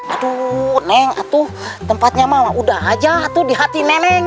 aduh nenek itu tempatnya sudah saja di hati nenek